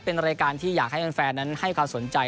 เป็นรายการที่อยากให้แฟนนั้นให้ความสนใจ